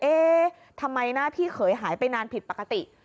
เอ๊ะทำไมหน้าพี่เขยหายไปนานผิดปกติ